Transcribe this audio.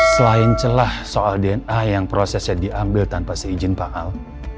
selain celah soal dna yang prosesnya diambil tanpa seizin pak al